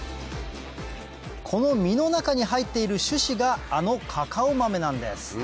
この実の中に入っている種子があのカカオ豆なんです